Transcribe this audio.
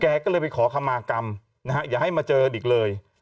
ก็เลยไปขอคำมากรรมนะฮะอย่าให้มาเจออีกเลย